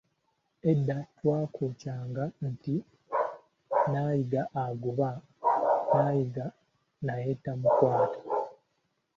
Edda twakoccanga nti nayiga agoba nayiga naye tamukwata.